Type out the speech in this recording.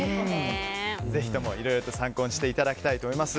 ぜひともいろいろと参考にしていただきたいと思います。